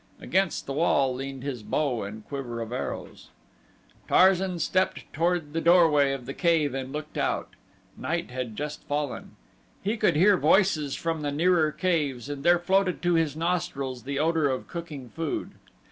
Against the wall leaned his bow and quiver of arrows. Tarzan stepped toward the doorway of the cave and looked out. Night had just fallen. He could hear voices from the nearer caves and there floated to his nostrils the odor of cooking food.